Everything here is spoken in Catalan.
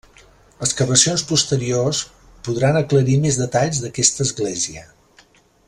Excavacions posteriors podran aclarir més detalls d'aquesta església.